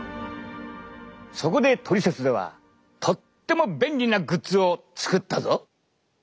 そこで「トリセツ」ではとっても便利なグッズを作ったぞ。